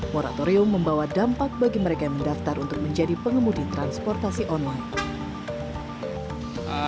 moratorium membawa dampak bagi mereka yang mendaftar untuk menjadi pengemudi transportasi online